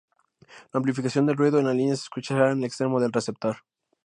La amplificación del ruido en la línea se escuchara en el extremo del receptor.